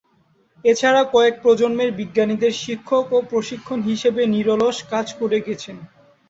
এছাড়া কয়েক প্রজন্মের বিজ্ঞানীদের শিক্ষক ও প্রশিক্ষক হিসেবে নিরলস কাজ করে গেছেন।